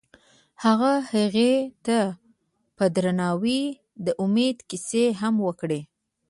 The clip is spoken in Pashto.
هغه هغې ته په درناوي د امید کیسه هم وکړه.